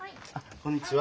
こんにちは。